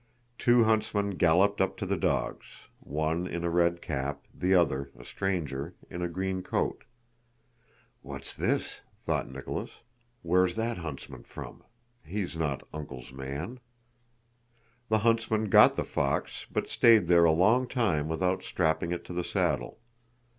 Two huntsmen galloped up to the dogs; one in a red cap, the other, a stranger, in a green coat. "What's this?" thought Nicholas. "Where's that huntsman from? He is not 'Uncle's' man." The huntsmen got the fox, but stayed there a long time without strapping it to the saddle.